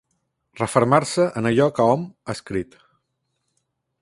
Refermar-se en allò que hom ha escrit.